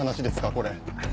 これ。